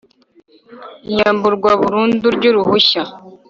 iyamburwa burundu ry uruhushya